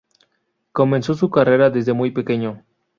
Comenzó su carrera desde muy pequeño.